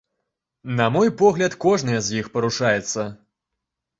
На мой погляд, кожнае з іх парушаецца.